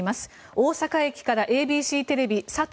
大阪駅からＡＢＣテレビ佐藤